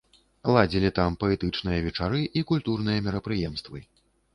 Ладзілі там паэтычныя вечары і культурныя мерапрыемствы.